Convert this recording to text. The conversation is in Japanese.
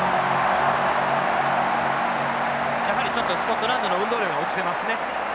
やはりちょっとスコットランドの運動量が落ちてますね。